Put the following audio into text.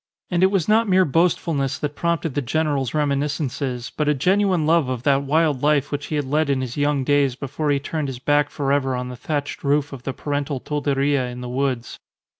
And it was not mere boastfulness that prompted the general's reminiscences, but a genuine love of that wild life which he had led in his young days before he turned his back for ever on the thatched roof of the parental tolderia in the woods.